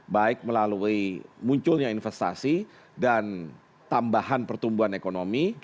baik melalui munculnya investasi dan tambahan pertumbuhan ekonomi